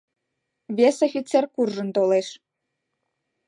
Вес офицер куржын толеш.